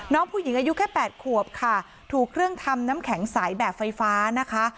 น้องผู้หญิงอายุแค่๘ขวบค่ะถูกเครื่องทำน้ำแข็งใสแบบไฟฟ้านะคะ